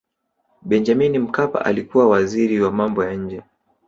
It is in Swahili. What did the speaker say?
benjamini mkapa alikuwa waziri wa mambo ya nje